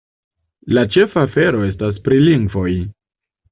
La ĉefa afero estas pri lingvoj.